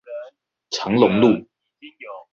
長龍路